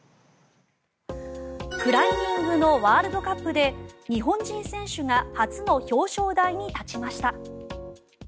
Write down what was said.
クライミングのワールドカップで日本人選手が初の表彰台に立ちました。